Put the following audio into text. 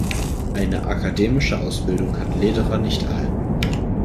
Eine akademische Ausbildung hat Lederer nicht erhalten.